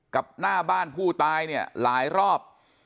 หน้าบ้านผู้ตายเนี่ยหลายรอบ